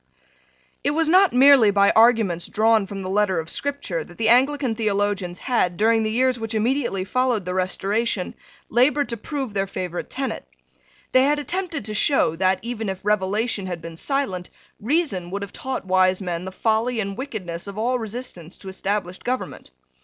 It was not merely by arguments drawn from the letter of Scripture that the Anglican theologians had, during the years which immediately followed the Restoration, laboured to prove their favourite tenet. They had attempted to show that, even if revelation had been silent, reason would have taught wise men the folly and wickedness of all resistance to established government.